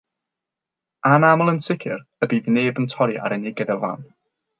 Anaml, yn sicr, y bydd neb yn torri ar unigedd y fan.